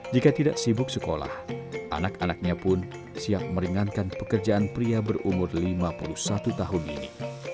jika tidak sibuk sekolah anak anaknya pun siap meringankan pekerjaan pria berumur lima puluh satu tahun ini